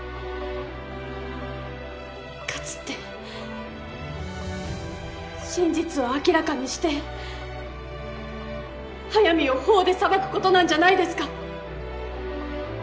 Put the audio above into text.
勝つって真実を明らかにして速水を法で裁くことなんじゃないですか。